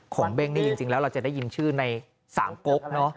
เบ้งนี่จริงแล้วเราจะได้ยินชื่อในสามกกเนอะ